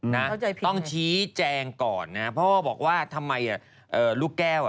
น่ะต้องชี้แจงก่อนนะเพราะว่าบอกว่าทำไมลูกแก้ว